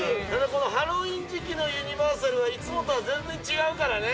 このハロウィーン時期のユニバーサルはいつもとは全然違うからね。